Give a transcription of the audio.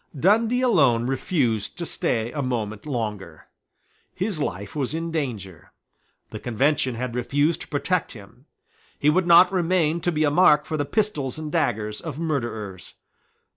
Dundee alone refused to stay a moment longer. His life was in danger. The Convention had refused to protect him. He would not remain to be a mark for the pistols and daggers of murderers.